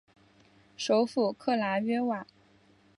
首府克拉约瓦。